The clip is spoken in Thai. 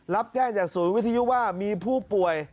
รับแจ้งจากศูนย์วิทยุว่ามีผู้ป่วย